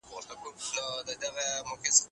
د نجونو لیلیه بې اسنادو نه ثبت کیږي.